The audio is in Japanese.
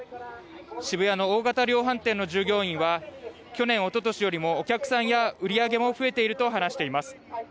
渋谷の大型量販店の従業員は去年、おととしよりもお客さんや売り上げも増えていると話しています。